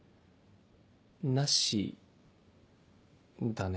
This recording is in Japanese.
なしだね。